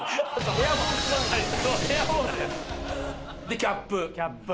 でキャップ。